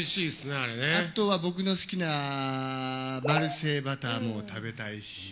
あとは僕の好きなマルセイバターも食べたいし。